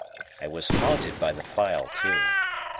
I was haunted by the file too.